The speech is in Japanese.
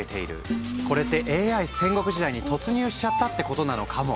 これってＡＩ戦国時代に突入しちゃったってことなのかも！